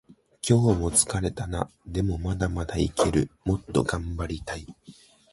今日も疲れたな。でもまだまだいける。もっと頑張りたい。